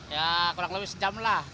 ya kurang lebih sejam lah